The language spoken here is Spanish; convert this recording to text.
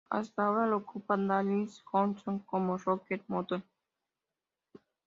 Hasta ahora lo ocupa Dwayne Johnson como Rock Bottom.